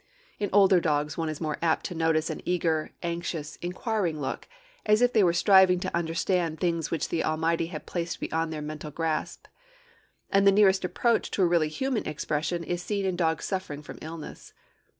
In older dogs one is more apt to notice an eager, anxious, inquiring look, as if they were striving to understand things which the Almighty had placed beyond their mental grasp; and the nearest approach to a really human expression is seen in dogs suffering from illness.